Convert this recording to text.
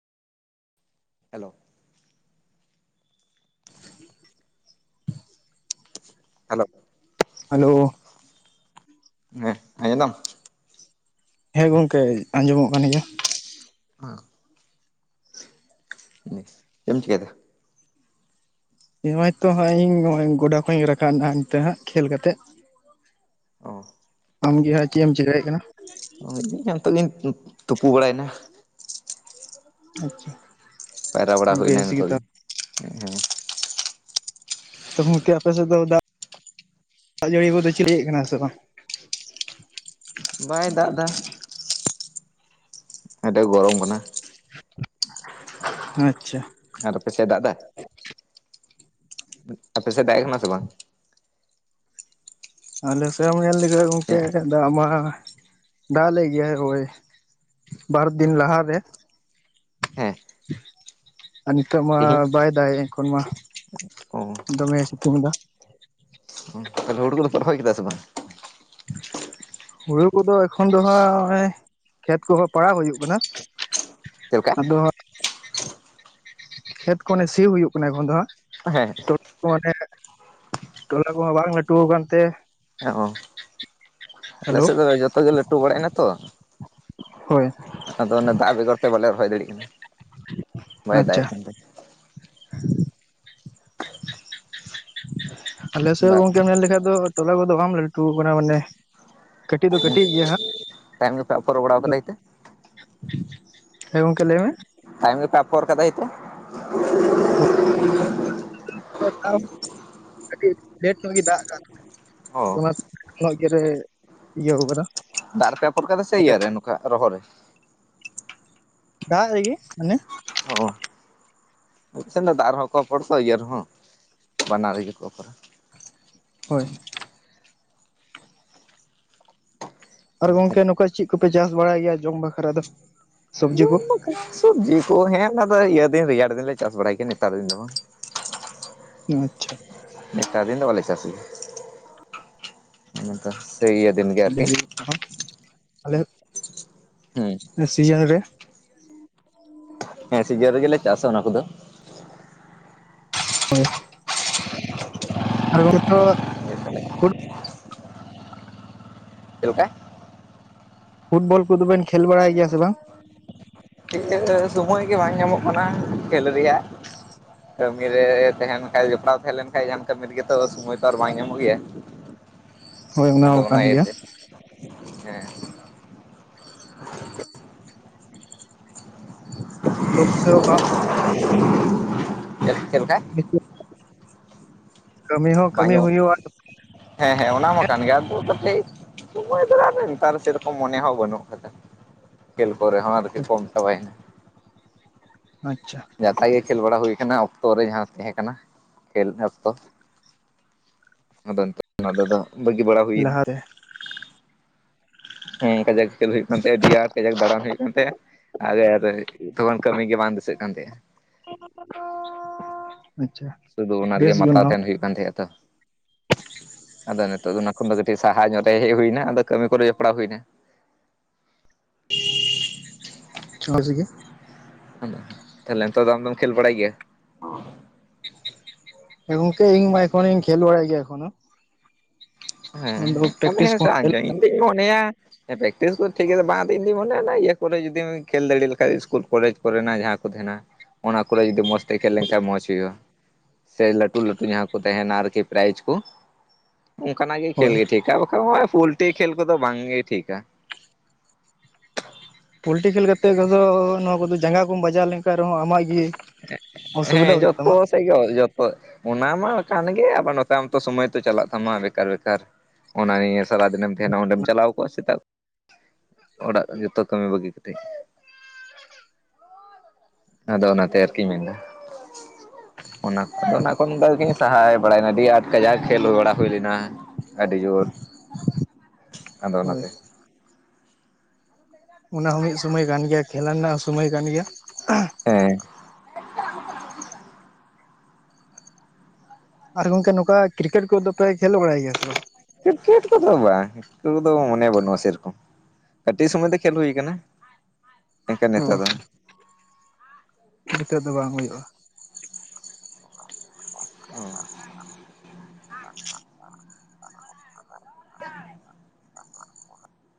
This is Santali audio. ᱦᱮᱞᱳ [inaudible] ᱦᱮᱞᱳ ᱦᱮᱞᱳ ᱦᱮᱸ ᱟᱭᱱᱟᱢ ᱦᱮᱸ ᱜᱚᱝᱠᱮ ᱟᱸᱡᱚᱢᱚᱜ ᱠᱟᱱ ᱜᱮᱭᱟ [unintelligible] [unintelligible] ᱪᱮᱫ ᱮᱢ ᱪᱮᱠᱟᱭᱮᱫᱟ᱾ ᱱᱚᱦᱚᱭ ᱛᱚ ᱦᱟᱸᱜ ᱤᱧ ᱱᱚᱜᱼᱚ ᱜᱚᱰᱟ ᱠᱷᱚᱡ ᱤᱧ ᱨᱟᱠᱟᱵ ᱱᱟᱦᱟᱜ ᱱᱤᱛᱟᱜ ᱦᱟᱸᱜ ᱠᱷᱮᱞ ᱠᱟᱛᱮᱫ ᱚᱸ ᱟᱢᱜᱮ ᱦᱟᱸᱜ ᱪᱮᱜ ᱮᱢ ᱪᱤᱠᱟᱹᱭᱮᱜ ᱠᱟᱱᱟ᱾ ᱦᱳᱭ ᱤᱧ ᱦᱚᱸ ᱱᱤᱛᱚᱜ ᱤᱧ ᱛᱩᱯᱩ ᱵᱟᱲᱟᱭᱮᱱᱟ ᱟᱪᱪᱷᱟ ᱯᱟᱭᱨᱟ ᱵᱟᱲᱟ ᱦᱩᱭᱱᱟ ᱵᱮᱥ ᱜᱮ ᱱᱤᱛᱚᱜ ᱜᱤ ᱦᱮᱸ ᱦᱮᱸ ᱛᱚ ᱜᱚᱝᱠᱮ ᱟᱯᱮ ᱥᱮᱫ ᱫᱚ ᱫᱟᱜ ᱫᱟᱜ ᱡᱟᱹᱲᱤ ᱠᱚᱫᱚ ᱪᱤᱞᱤᱭᱮᱜ ᱠᱟᱱᱟ ᱥᱮ ᱵᱟᱝ? ᱵᱟᱭ ᱫᱟᱜ ᱫᱟ ᱟᱫᱚ ᱜᱚᱨᱚᱢ ᱠᱟᱱᱟ ᱟᱪᱪᱷᱟ ᱟᱨ ᱟᱯᱮᱥᱮᱜ ᱫᱟᱜ ᱫᱟᱭ ᱟᱯᱮᱥᱮᱜ ᱫᱟᱜᱼᱮᱜ ᱠᱟᱱᱟ ᱥᱮ ᱵᱟᱝ? ᱟᱞᱮ ᱥᱮᱜ ᱮᱢ ᱧᱮᱞ ᱞᱮᱜᱷᱟᱡ ᱜᱚᱝᱠᱮ ᱫᱟᱜ ᱢᱟ ᱫᱟᱜ ᱞᱮᱜ ᱜᱤᱭᱟᱭ ᱦᱳᱭ᱾ ᱵᱟᱨ ᱫᱤᱱ ᱞᱟᱦᱟᱨᱮ ᱦᱮᱸ ᱟᱨ ᱱᱤᱛᱚᱜ ᱢᱟ ᱛᱮᱦᱤᱧ ᱵᱟᱭ ᱫᱟᱜ ᱮᱸ᱾ ᱮᱠᱷᱚᱱ ᱢᱟ ᱚ ᱫᱚᱢᱮᱭ ᱥᱤᱛᱩᱝ ᱮᱫᱟ ᱦᱚᱝ ᱦᱳᱲᱳ ᱦᱳᱲᱳ ᱫᱚᱯᱮ ᱨᱚᱦᱚᱭ ᱠᱮᱫᱟ ᱥᱮ ᱵᱟᱝ? [inaudible] ᱦᱩᱲᱩ ᱠᱚᱫᱚ ᱮᱠᱷᱚᱱ ᱫᱚᱦᱟᱸᱜᱼᱚᱭ ᱠᱷᱮᱛ ᱠᱚᱦᱚᱸ ᱯᱟᱲᱟᱣ ᱦᱩᱭᱩᱜ ᱠᱟᱱᱟ᱾ ᱪᱮᱫ ᱞᱮᱠᱟ ᱟᱫᱚ ᱦᱟᱸᱜ ᱠᱷᱮᱛ ᱠᱚ ᱚᱱᱮ ᱥᱤ ᱦᱩᱭᱩᱜ ᱠᱟᱱᱟ ᱮᱠᱷᱚᱱ ᱫᱚ ᱦᱟᱸᱜ᱾ ᱦᱮᱸ ᱠᱚ ᱢᱟᱱᱮ ᱴᱚᱞᱟ ᱠᱚᱦᱚᱸ ᱵᱟᱝ ᱞᱟᱹᱴᱩᱣ ᱠᱟᱱ ᱛᱮ ᱦᱮᱸ ᱚᱸ ᱟᱞᱮ ᱦᱮᱞᱳ ᱥᱮᱜ ᱫᱚ ᱡᱚᱛᱚᱜᱮ ᱞᱟᱹᱴᱩ ᱵᱟᱲᱟᱮᱱᱟ ᱛᱚ ᱦᱳᱭ ᱟᱫᱚ ᱚᱱᱮ ᱫᱟᱜ ᱵᱮᱜᱚᱨ ᱛᱮ ᱵᱟᱞᱮ ᱨᱚᱦᱚᱭ ᱫᱟᱲᱤᱭᱟᱜ ᱠᱟᱱᱟ᱾ ᱵᱟᱭ ᱫᱟᱜ ᱟᱪᱪᱷᱟ ᱮᱫ ᱠᱟᱱ ᱛᱮ ᱟᱞᱮ ᱥᱮᱜ ᱦᱚᱸ ᱫᱟᱜ ᱜᱚᱝᱠᱮᱢ ᱧᱮᱞ ᱞᱮᱠᱷᱟᱫ ᱫᱚ ᱴᱚᱞᱟ ᱠᱚᱫᱚ ᱵᱟᱢ ᱞᱟᱹᱴᱩ ᱠᱟᱱᱟ ᱢᱟᱱᱮ ᱠᱟᱹᱴᱤᱡ ᱫᱚ ᱠᱟᱹᱴᱤᱡ ᱜᱮᱭᱟ ᱦᱟᱸᱜ ᱛᱟᱭᱚᱢ ᱜᱮᱯᱮ ᱟᱯᱷᱚᱨ ᱵᱟᱲᱟ ᱠᱟᱫᱟ ᱦᱤᱛᱟᱹ ᱦᱮᱸ ᱜᱚᱝᱠᱮ ᱞᱮᱭ ᱢᱮ ᱛᱟᱭᱚᱢ ᱜᱮᱯᱮ ᱟᱯᱚᱨ ᱠᱟᱫᱟᱭ ᱛᱚ ᱟᱫᱚ ᱫᱟᱜ ᱦᱚᱸ ᱠᱟᱹᱴᱤᱡ ᱞᱮᱴ ᱧᱚᱜ ᱜᱤ ᱫᱟᱜ ᱠᱟᱜᱼᱟ ᱛᱚᱵᱮ ᱚ ᱫᱚᱢᱮ ᱱᱚᱼᱚᱭ ᱤᱭᱟᱹ ᱨᱮ ᱤᱭᱟᱹᱣ ᱠᱟᱫᱟ ᱫᱟᱜ ᱨᱮ ᱯᱮ ᱯᱷᱳᱨ ᱠᱟᱫᱟ ᱥᱮ ᱤᱭᱟ ᱨᱮ ᱱᱚᱠᱟ ᱨᱚᱦᱚᱨ ᱨᱮ ᱫᱟᱜ ᱨᱤ ᱜᱤ ᱢᱟᱱᱮ᱾ ᱦᱸ ᱢᱤᱫᱥᱮᱱ ᱫᱚ ᱫᱟᱜ ᱨᱮᱦᱚᱸ ᱠᱚ ᱯᱷᱳᱲ ᱛᱚ ᱤᱭᱟᱹ ᱨᱮᱦᱚᱸ ᱵᱟᱱᱟᱨ ᱨᱮᱜᱮ ᱠᱚ ᱠᱚᱨᱟᱣ ᱦᱳᱭ ᱟᱨ ᱜᱚᱝᱠᱮ ᱱᱚᱠᱟ ᱪᱤᱜ ᱠᱚᱯᱮ ᱪᱟᱥ ᱵᱟᱲᱟᱭ ᱜᱮᱭᱟ ᱡᱚᱢ ᱵᱟᱠᱷᱨᱟ ᱫᱚ ᱥᱚᱵᱡᱤ ᱠᱚ᱾ ᱥᱚᱵᱽᱡᱤ ᱠᱚ ᱦᱮᱸ ᱚᱱᱟ ᱫᱚ ᱤᱭᱟᱹ ᱫᱤᱱ ᱨᱮᱭᱟᱲ ᱫᱤᱱ ᱞᱮ ᱪᱟᱥ ᱵᱟᱲᱟᱭ ᱜᱮᱭᱟ ᱱᱮᱛᱟᱨ ᱫᱤᱱ ᱫᱚ ᱵᱟᱝ ᱟᱪᱪᱷᱟ ᱱᱮᱛᱟᱨ ᱫᱤᱱ ᱫᱚ ᱵᱟᱞᱮ ᱪᱟᱥ ᱜᱮᱭᱟ ᱚᱱᱮᱛᱚ ᱥᱮᱭ ᱤᱭᱟᱹ ᱫᱤᱱ ᱜᱮ ᱟᱨᱠᱤ ᱟᱞᱮ ᱦᱩᱸ ᱥᱤᱡᱟᱹᱱ ᱨᱮ ᱦᱮᱸ ᱥᱤᱡᱟᱹᱱ ᱨᱮᱜᱮᱞᱮ ᱪᱟᱥᱟ ᱚᱱᱟ ᱠᱚᱫᱚ᱾ ᱦᱳᱭ ᱟᱨ [unintelligible] ᱛᱚ ᱪᱮᱫ ᱪᱮᱞᱠᱟ ᱯᱷᱩᱴᱵᱚᱞ ᱠᱚᱫᱚ ᱵᱮᱱ ᱠᱷᱮᱞ ᱵᱟᱲᱟᱭ ᱜᱮᱭᱟ ᱥᱮ ᱵᱟᱝ ᱤᱱᱟᱹ ᱥᱚᱢᱚᱭ ᱜᱮ ᱵᱟᱝ ᱧᱟᱢᱚᱜ ᱠᱟᱱᱟ ᱠᱷᱮᱞ ᱨᱮᱭᱟᱜ ᱠᱟᱹᱢᱤ ᱨᱮ ᱛᱟᱦᱮᱸᱱ ᱠᱷᱟᱡ ᱡᱚᱯᱲᱟᱣ ᱛᱟᱦᱮᱸ ᱞᱮᱱ ᱠᱷᱟᱡ ᱡᱟᱦᱟᱱ ᱠᱟᱹᱢᱤᱫ ᱜᱮᱛᱚ ᱥᱩᱢᱚᱭ ᱛᱚ ᱟᱨ ᱵᱟᱭ ᱧᱟᱢᱚᱜ ᱜᱮᱭᱟ᱾ ᱦᱳᱭ ᱟᱫᱚ ᱦᱚᱸ ᱠᱟᱱ ᱚᱱᱟ ᱜᱮᱭᱟ ᱮᱛᱮ ᱦᱮᱸ᱾ [unintelligible] [unintelligible] ᱥᱩᱠᱥᱟ. ᱣ ᱵᱟᱝ ᱪᱮᱫ ᱞᱮᱠᱟ? [unintelligible] ᱠᱟᱹᱢᱤ ᱦᱚᱸ ᱵᱟᱝ ᱠᱟᱹᱢᱤ ᱧᱚᱜ ᱦᱩᱭᱩᱜᱼᱟ ᱦᱮᱸ ᱦᱮᱸ ᱚᱱᱟ ᱢᱟ ᱠᱟᱱ ᱜᱮᱭᱟ ᱟᱫᱚ ᱠᱟᱹᱴᱤᱡ ᱱᱮᱛᱟᱨ ᱥᱮᱨᱚᱠᱚᱢ ᱢᱚᱱᱮ ᱦᱚᱸ ᱵᱟᱹᱱᱩᱜ ᱠᱟᱫᱟ ᱠᱷᱮᱞ ᱠᱚᱨᱮ ᱦᱚᱸ ᱟᱨ ᱠᱚᱢ ᱪᱟᱵᱟᱭᱮᱱᱟ᱾ ᱟᱪᱪᱷᱟ᱾ ᱡᱟᱛᱟ ᱜᱮ ᱠᱷᱮᱞ ᱵᱟᱲᱟ ᱦᱩᱭ ᱠᱟᱱᱟ ᱚᱠᱛᱚ ᱨᱮ ᱡᱟᱦᱟᱸ ᱛᱟᱦᱮᱸ ᱠᱟᱱᱟ ᱠᱷᱮᱞ ᱚᱠᱛᱚ᱾ ᱟᱫᱚ ᱱᱤᱛᱚᱜ ᱫᱟ ᱵᱟᱹᱜᱤ ᱵᱟᱲᱟ ᱦᱩᱭᱮᱱᱟ᱾ ᱞᱟᱦᱟᱨᱮ ᱦᱮᱸ ᱠᱟᱡᱟᱠ ᱠᱷᱮᱞ ᱦᱩᱭᱩᱜ ᱠᱟᱱᱟ ᱛᱟᱦᱮᱫ ᱰᱤᱭᱟᱨ ᱠᱟᱡᱟᱠ ᱫᱟᱬᱟᱱ ᱦᱩᱭᱩᱜ ᱠᱟᱱ ᱛᱟᱦᱮᱸᱫ [unintelligible] ᱟᱪᱪᱷᱟ ᱥᱩᱫᱷᱩ ᱚᱱᱟ ᱨᱮᱜᱮ ᱵᱮᱥ ᱜᱮ ᱢᱟᱛᱟᱣ ᱛᱟᱦᱮᱱ ᱦᱩᱭᱩᱜ ᱠᱟᱱ ᱛᱟᱦᱮᱸᱜᱼᱟ ᱛᱚ ᱟᱫᱚ ᱱᱤᱛᱚᱜ ᱫᱚ ᱚᱱᱟ ᱠᱷᱚᱱ ᱫᱚ ᱠᱟᱹᱴᱤᱡ ᱥᱟᱦᱟ ᱧᱚᱜ ᱨᱮ ᱦᱮᱡ ᱦᱩᱭᱱᱟ ᱟᱫᱚ ᱠᱟᱹᱢᱤ ᱠᱚᱨᱮ ᱡᱚᱯᱲᱟᱣ ᱦᱩᱭᱱᱟ ᱢᱚᱪ ᱜᱮ ᱛᱟᱦᱞᱮ ᱱᱤᱛᱚᱜ ᱫᱚ ᱟᱢ ᱫᱚᱢ ᱠᱷᱮᱞ ᱵᱟᱲᱟᱭᱟ ᱜᱮᱭᱟ? ᱜᱚᱝᱠᱮ ᱤᱧ ᱢᱟ ᱮᱠᱷᱚᱱᱤᱧ ᱠᱷᱮᱞ ᱵᱟᱲᱟᱭ ᱜᱮᱭᱟ ᱮᱠᱷᱚᱱᱳ [unintelligible] ᱟᱫᱚ ᱦᱮᱸ ᱯᱨᱮᱠᱴᱤᱥ ᱠᱚ ᱯᱮᱠᱴᱤᱥ ᱫᱚ ᱴᱷᱤᱠᱟ. ᱲ ᱵᱟᱝ ᱛᱤᱧ ᱢᱚᱱᱮ ᱚᱱᱟ ᱤᱭᱟᱹ ᱠᱚᱨᱮ ᱡᱩᱫᱤᱢ ᱠᱷᱮᱞ ᱫᱟᱲᱮ ᱞᱮᱠᱟᱱᱡ ᱤᱥᱠᱩᱞ ᱠᱚᱞᱮᱡᱽ ᱠᱚᱨᱮᱱᱟᱜ ᱡᱟᱦᱟᱸ ᱠᱚ ᱛᱟᱦᱮᱱᱟ᱾ ᱚᱱᱟ ᱠᱚᱨᱮ ᱡᱩᱫᱤ ᱢᱚᱸᱡᱽ ᱛᱮ ᱠᱷᱮᱞ ᱞᱮᱱ ᱠᱷᱟᱱᱡ ᱢᱚᱸᱡᱽ ᱦᱩᱭᱩᱜᱼᱟ᱾ ᱥᱮ ᱞᱟᱹᱴᱩ ᱞᱟᱹᱴᱩ ᱡᱟᱦᱟᱸ ᱠᱚ ᱛᱟᱦᱮᱱᱟ ᱟᱨᱠᱤ ᱯᱨᱟᱭᱤᱡ ᱠᱚ᱾ ᱚᱱᱠᱟᱱᱟᱜ ᱜᱮ ᱠᱷᱮᱞ ᱦᱳᱭ ᱜᱮ ᱴᱷᱤᱠᱟ ᱵᱟᱠᱷᱟᱱ ᱱᱚᱜᱼᱚᱭ ᱯᱳᱞᱴᱤ ᱠᱷᱮᱞ ᱠᱚᱫᱚ ᱵᱟᱝ ᱜᱮ ᱴᱷᱤᱠᱟ ᱯᱚᱞᱴᱤ ᱠᱷᱮᱞ ᱠᱟᱛᱮᱫ ᱠᱚᱫᱚ ᱱᱚᱣᱟ ᱠᱚᱫᱚ ᱡᱟᱸᱜᱟ ᱠᱚᱢ ᱵᱟᱡᱟᱣ ᱞᱮᱱᱠᱟᱱ ᱨᱮᱦᱚᱸ ᱟᱢᱟᱜ ᱜᱮ ᱚᱥᱩᱵᱤᱫᱷᱟ ᱦᱮᱸ ᱦᱩᱭᱩᱜ ᱡᱚᱛᱚ ᱛᱟᱢᱟ ᱥᱮ ᱜᱮ ᱡᱚᱛᱚ ᱚᱱᱟ ᱢᱟ ᱠᱟᱱ ᱜᱮ ᱟᱵᱟᱨ ᱟᱢ ᱛᱚ ᱥᱚᱢᱚᱭ ᱛᱚ ᱪᱟᱞᱟᱜ ᱛᱟᱢᱟ ᱵᱮᱠᱟᱨ ᱵᱮᱠᱟᱨ ᱚᱱᱟ ᱱᱤᱭᱟᱹ ᱥᱟᱨᱟ ᱫᱤᱱᱮᱢ ᱛᱟᱦᱮᱸᱱᱟ ᱚᱸᱰᱮᱢ ᱪᱟᱞᱟᱣ ᱠᱚᱜᱼᱟ ᱥᱮᱛᱟᱜ ᱚᱲᱟᱜ ᱨᱮᱜᱮ ᱛᱚ ᱠᱟᱹᱢᱤ ᱵᱟᱹᱜᱤ ᱠᱟᱛᱮ᱾ ᱟᱫᱚ ᱚᱱᱟ ᱛᱮ ᱟᱨᱠᱤ ᱢᱮᱱ ᱫᱚ ᱚᱱᱟ ᱚᱱᱟ ᱠᱷᱚᱱ ᱫᱚᱠᱤᱱ ᱥᱟᱦᱟᱭ ᱵᱟᱲᱟᱭᱱᱟ ᱟᱹᱰᱤ ᱟᱸᱴ ᱠᱟᱡᱟᱠ ᱠᱷᱤᱞᱰᱩ ᱵᱟᱲᱟ ᱦᱩᱭ ᱞᱮᱱᱟ᱾ ᱟᱹᱰᱤ ᱡᱳᱨ ᱟᱫᱚ ᱦᱳᱭ ᱚᱱᱟᱛᱮ ᱚᱱᱟ ᱦᱚᱸ ᱢᱤᱫ ᱥᱩᱢᱚᱭ ᱠᱟᱱ ᱜᱮᱭᱟ ᱠᱷᱮᱞᱟ ᱨᱮᱱᱟᱜ ᱦᱚᱸ ᱥᱩᱢᱚᱭ ᱠᱟᱱ ᱜᱮᱭᱟ ᱦᱮᱸ ᱟᱨ ᱜᱚᱝᱠᱮ ᱱᱚᱝᱠᱟ ᱠᱨᱤᱠᱮᱴ ᱠᱚᱫᱚ ᱯᱮ ᱠᱷᱮᱞ ᱵᱟᱲᱟᱭ ᱜᱮᱭᱟ ᱛᱚ? ᱠᱨᱤᱠᱮᱴ ᱠᱚᱫᱚ ᱵᱟᱝ ᱠᱚᱫᱚ ᱢᱚᱱᱮ ᱵᱟᱹᱱᱩᱜᱼᱟ ᱥᱮᱨᱚᱠᱚᱢ᱾ ᱠᱟᱹᱴᱤᱡ ᱥᱚᱢᱚᱭ ᱫᱚ ᱠᱷᱮᱞ ᱦᱩᱭᱟᱱᱟ ᱚ ᱱᱤᱛᱚᱜ ᱫᱚ ᱵᱟᱝ ᱦᱩᱭᱩᱜᱼᱟ᱾ ᱦᱚᱸ᱾